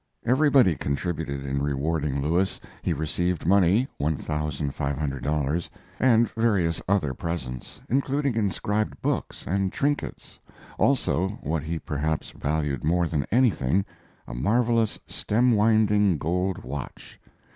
Everybody contributed in rewarding Lewis. He received money ($1,500) and various other presents, including inscribed books and trinkets, also, what he perhaps valued more than anything, a marvelous stem winding gold watch.